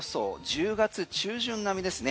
１０月中旬並みですね。